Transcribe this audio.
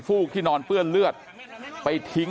กลุ่มตัวเชียงใหม่